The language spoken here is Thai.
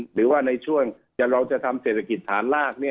หรือว่าในช่วงเราจะทำเศรษฐกิจฐานราก